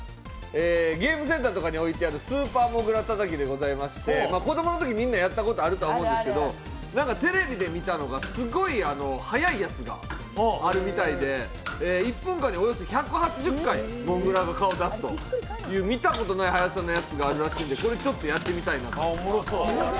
ゲームセンターとかに置いてある「スーパーモグラたたき」でございまして子供のときみんなやったことあると思うんですけどテレビで見たのが、すごい速いやつがあるみたいで１分間におよそ１８０回モグラが顔を出す見たことない速さのやつがあるらしいんで、これ、ちょっとやってみたいなと。